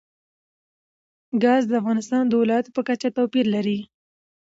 ګاز د افغانستان د ولایاتو په کچه توپیر لري.